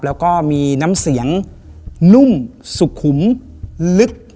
แล้วก็มีน้ำเสียงนุ่มสุขุมลึก